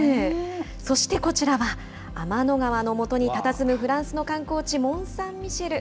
そしてこちらは、天の川のもとにたたずむフランスの観光地、モンサンミシェル。